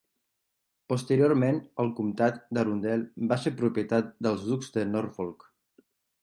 Posteriorment, el comtat d"Arundel va ser propietat dels Ducs de Norfolk.